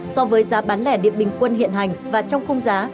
so với giá bán lẻ điện bình quân hiện hành và trong khung giá